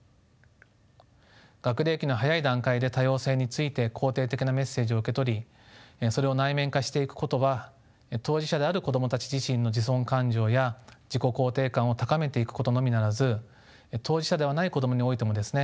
学齢期の早い段階で多様性について肯定的なメッセージを受け取りそれを内面化していくことは当事者である子供たち自身の自尊感情や自己肯定感を高めていくことのみならず当事者ではない子供においてもですね